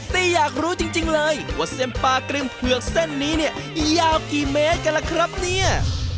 แต่อยากรู้จริงเลยว่าเส้นปลากริมเผือกเส้นนี้เนี่ยยาวกี่เมตรกันล่ะครับเนี่ย